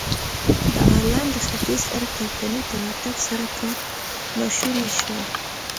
د هالنډ د ختیځ هند کمپنۍ په راتګ سره کار ناشونی شو.